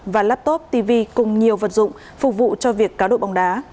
và laptop tv cùng nhiều vật dụng phục vụ cho việc cá độ bóng đá